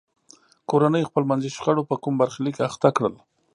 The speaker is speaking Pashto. کورنیو خپلمنځي شخړو په کوم برخلیک اخته کړل.